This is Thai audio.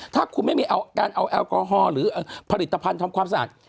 ถ้าคุณไม่มีการเอาแอลกอฮอล์หรือผลิตภัณฑ์ทำความสะอาด